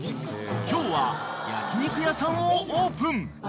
［今日は焼き肉屋さんをオープン］